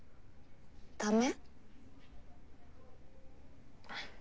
ダメ？